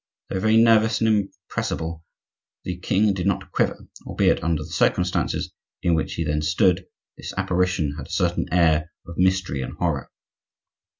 Though very nervous and impressible, the king did not quiver, albeit, under the circumstances in which he then stood, this apparition had a certain air of mystery and horror.